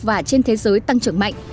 và trên thế giới tăng trưởng mạnh